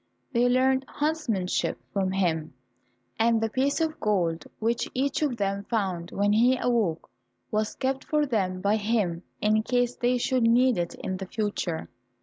They learnt huntsmanship from him, and the piece of gold which each of them found when he awoke, was kept for them by him in case they should need it in the future.